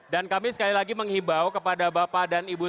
dan kami sekali lagi menghibau kepada bapak dan ibu